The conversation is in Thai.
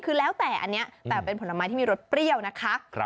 คือแล้วแต่อันนี้แต่เป็นผลไม้ที่มีรสเปรี้ยวนะคะ